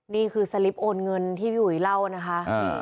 นี่คือสลิปโอนเงินที่พี่อุ๋ยเล่านะคะ